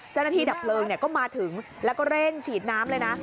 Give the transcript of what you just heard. เจ้าหน้าที่ดับเพลิงก็มาถึงแล้วก็เร่งฉีดน้ำเลยนะ